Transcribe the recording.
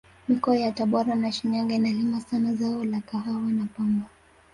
mikoa ya tabora na shinyanga inalima sana zao la kahawa na pamba